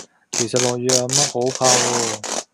其實落雨又有乜好怕喎